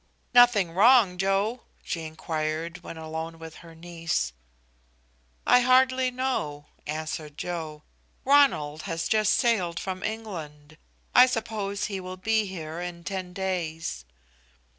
"Nothing wrong, Joe?" she inquired, when alone with her niece. "I hardly know," answered Joe. "Ronald has just sailed from England. I suppose he will be here in ten days."